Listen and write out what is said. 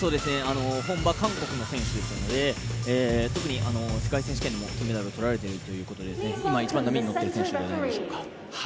本場・韓国の選手ですので特に世界選手権でも金メダルを取られているということで今、一番波に乗っている選手ではないでしょうか。